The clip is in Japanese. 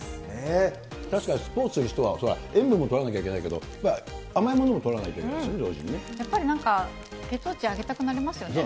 確かにスポーツする人は塩分もとらなきゃいけないけど、甘いものもとらないといけないでやっぱりなんか、血糖値上げたくなりますよね。